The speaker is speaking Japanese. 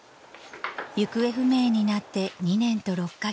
［行方不明になって２年と６カ月］